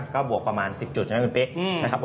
ก็บวกประมาณ๑๐จุดนะครับพี่ปิ๊ก